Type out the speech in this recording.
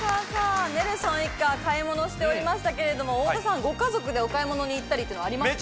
ネルソン一家は買い物しておりましたけども太田さんご家族でお買い物に行ったりってありますか？